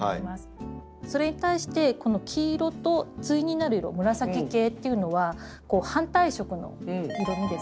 それに対して黄色と対になる色紫系っていうのは反対色の色みですね。